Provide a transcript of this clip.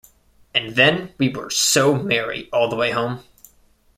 And then we were so merry all the way home!